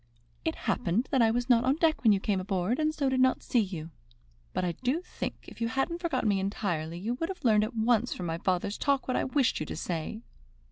"It happened that I was not on deck when you came aboard, and so did not see you. But I do think, if you hadn't forgotten me entirely, you would have learned at once from my father's talk what I wished you to say."